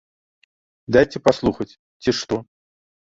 Дайце паслухаць, ці што.